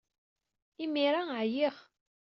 Imir-a, ɛyiɣ.